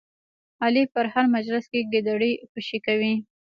علي په هر مجلس کې ګیدړې خوشې کوي.